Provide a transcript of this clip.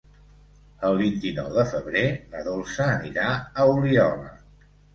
El vint-i-nou de febrer na Dolça anirà a Oliola.